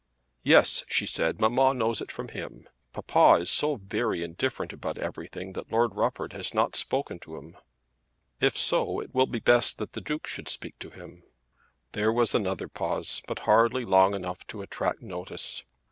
"Yes," she said; "mamma knows it from him. Papa is so very indifferent about everything that Lord Rufford has not spoken to him." "If so, it will be best that the Duke should speak to him." There was another pause, but hardly long enough to attract notice.